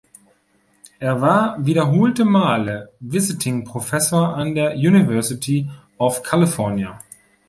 Er war wiederholte Male Visiting Professor an der University of California.